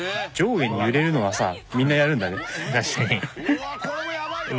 うわこれもやばいよ！